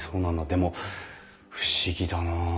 でも不思議だな。